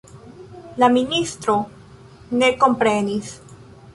La ministro ne komprenis.